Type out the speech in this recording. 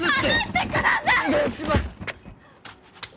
お願いします！